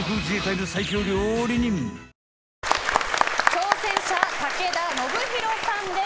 挑戦者、武田修宏さんです。